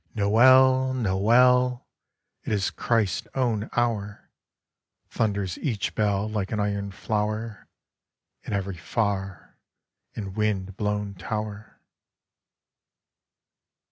"Noell Noel! It is Christ's own hour 1 " Thunders each bell like an iron flower In every far and wind blown tower.